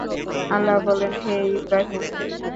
আল্লাহ বলেনঃ হে ইবরাহীম!